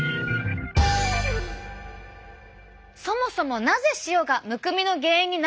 そもそもなぜ塩がむくみの原因になるのか。